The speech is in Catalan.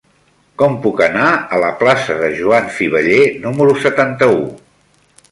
Com puc anar a la plaça de Joan Fiveller número setanta-u?